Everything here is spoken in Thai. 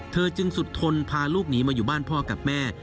จึงสุดทนพาลูกหนีมาอยู่บ้านพ่อกับแม่